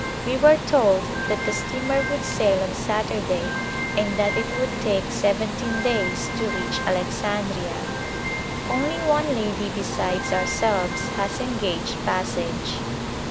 We were told that the steamer would sail on Saturday and that it would take seventeen days to reach Alexandria. Only one lady besides ourselves has engaged passage.